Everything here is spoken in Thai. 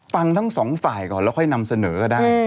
ฟังทั้งสองฝ่ายก่อนแล้วค่อยนำเสนอก็ได้